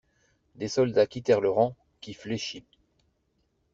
Des soldats quittèrent le rang, qui fléchit.